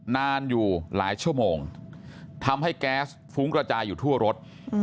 นานอยู่หลายชั่วโมงทำให้แก๊สฟุ้งกระจายอยู่ทั่วรถ